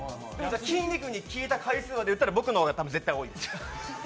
筋肉に聞いた回数からいったら僕の方が絶対多いです。